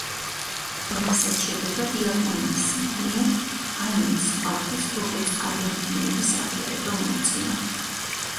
რასაც შედეგად იაპონიის მიერ აინუს ხალხის როგორც აბორიგენების აღიარება მოუწია.